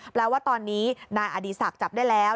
แปลว่าตอนนี้นายอดีศักดิ์จับได้แล้ว